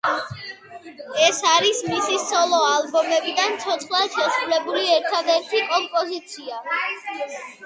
ეს არის მისი სოლო ალბომებიდან ცოცხლად შესრულებული ერთადერთი კომპოზიცია.